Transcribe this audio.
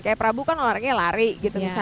kayak prabu kan olahraganya lari gitu misalnya